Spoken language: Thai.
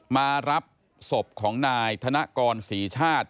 มารับศพของนายธนกรศรีชาติ